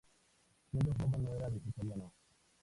Siendo joven no era vegetariano.